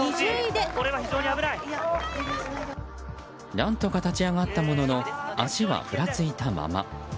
何とか立ち上がったものの足はふらついたまま。